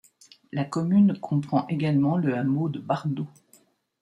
La commune comprend également le hameau de Barneau.